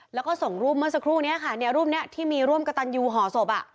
แล้วก็ส่งรูปเมื่อสักครู่นี้ค่ะเนี่ยรูปนี้ที่มีร่วมกระตันยูห่อศพอ่ะ